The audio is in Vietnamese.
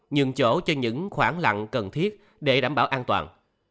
nhường chỗ cho những khoảng lặng cần thiết để đảm bảo an toàn